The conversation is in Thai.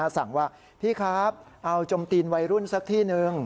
สั่งว่าพี่ครับเอาจมตีนวัยรุ่นสักที่หนึ่ง